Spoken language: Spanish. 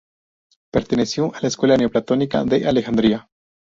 Perteneció a la escuela neoplatónica de Alejandría.